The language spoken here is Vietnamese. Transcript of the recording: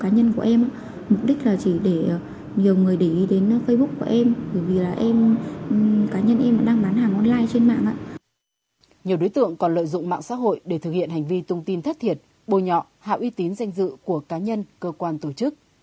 nhiều đối tượng còn lợi dụng mạng xã hội để thực hiện hành vi tung tin thất thiệt bồi nhọ hạ uy tín danh dự của cá nhân cơ quan tổ chức